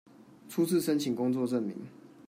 初次申請工作證明